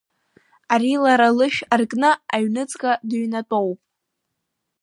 Ари лара лышә аркны аҩнуҵҟа дыҩнатәоуп.